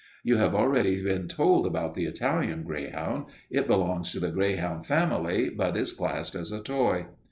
You have already been told about the Italian greyhound. It belongs to the greyhound family but is classed as a toy.